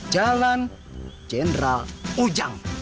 jalan jendral ujang